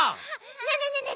ねえねえねえねえ